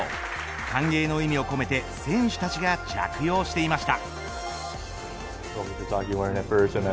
歓迎の意味を込めて選手たちが着用していました。